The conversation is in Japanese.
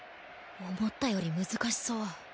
思ったより難しそう。